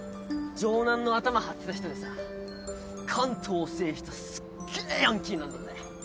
城南のアタマはってた人でさ関東を制したすっげえヤンキーなんだぜ。